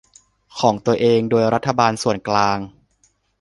ของตัวเองโดยรัฐบาลส่วนกลาง